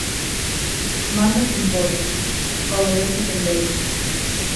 Manda quen pode, obedece quen debe